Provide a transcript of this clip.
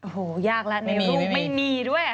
โหยากละเนี่ยไม่มีด้วย